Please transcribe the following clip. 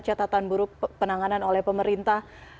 catatan buruk penanganan oleh pemerintah